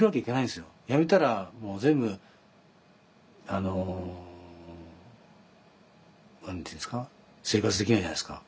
やめたらもう全部あの何て言うんですか生活できないじゃないですか。